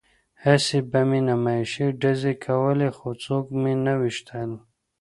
هسې به مې نمایشي ډزې کولې خو څوک مې نه ویشتل